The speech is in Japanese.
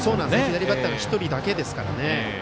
左バッターが１人だけですからね。